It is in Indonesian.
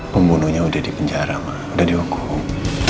pembunuhnya udah di penjara mak udah dihukum